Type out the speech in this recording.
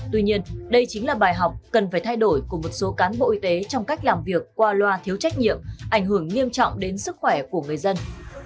tuy nhiên đây chính là bài học cần phải thay đổi của một số cán bộ y tế trong cách làm việc qua loa thiếu trách nhiệm ảnh hưởng nghiêm trọng đến sức khỏe của người dân